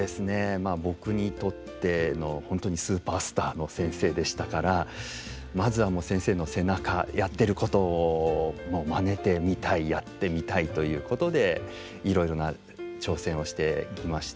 まあ僕にとっての本当にスーパースターの先生でしたからまずは先生の背中やってることをまねてみたいやってみたいということでいろいろな挑戦をしてきました。